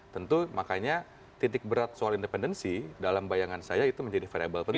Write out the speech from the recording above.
tentu makanya titik berat soal independensi dalam bayangan saya itu menjadi variable